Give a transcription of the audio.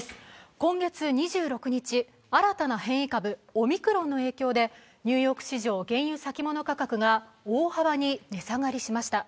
今月２６日、新たな変異株、オミクロンの影響でニューヨーク市場原油先物価格が大幅に値下がりしました。